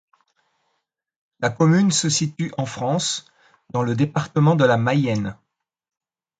La commune se situe en France, dans le département de la Mayenne.